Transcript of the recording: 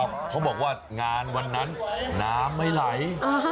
เขาบอกว่างานวันนั้นน้ำไม่ไหล